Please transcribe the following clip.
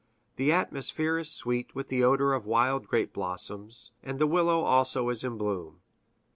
The atmosphere is sweet with the odor of wild grape blossoms, and the willow also is in bloom.